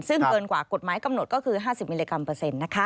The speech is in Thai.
ซึ่งเกินกว่ากฎหมายกำหนดก็คือ๕๐มิลลิกรัมเปอร์เซ็นต์